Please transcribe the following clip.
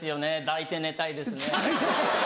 抱いて寝たいですね。